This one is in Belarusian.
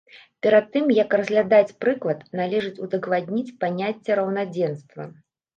Перад тым як разглядаць прыклад, належыць удакладніць паняцце раўнадзенства.